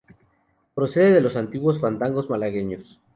Procede de los antiguos fandangos malagueños.